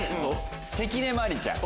関根麻里ちゃん。